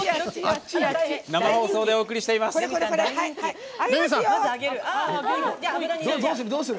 生放送でお送りしています。